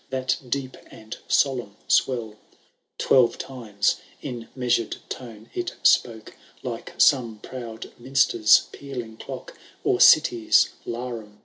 That deep and solemn swell,— Twelve times, in measured tone, it spoke. Like some proud minster^ pealing clock. Or city^s larum bell. 1 [MS.